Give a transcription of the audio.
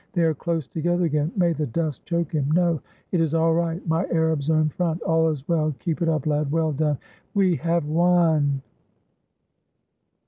They are close together again — may the dust choke him ! No — it is all right; my Arabs are in front! All is well, keep it up, lad, well done! We have won!"